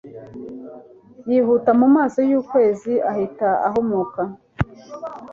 yihuta mu maso y'ukwezi ahita ahumuka